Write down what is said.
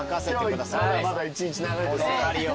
まだ１日長いです。